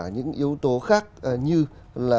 những yếu tố khác như là